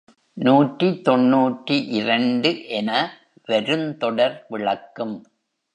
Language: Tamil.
நூற்றி தொன்னூற்றிரண்டு என வருந் தொடர் விளக்கும்.